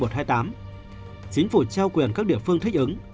chính phủ trao quyền các địa phương thích ứng